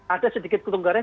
ada sedikit ketunggaran